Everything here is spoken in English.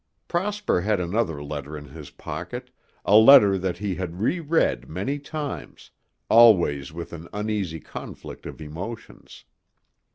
Prosper had another letter in his pocket, a letter that he had re read many times, always with an uneasy conflict of emotions.